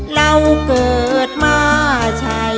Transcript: เราเกิดมาใช้เวร